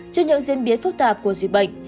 trước những diễn biến phức tạp của dịch bệnh